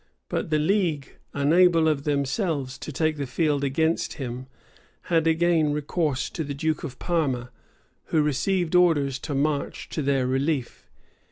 But the league, unable of themselves to take the field against him, had again recourse to the duke of Parma, who received orders to march to their relief.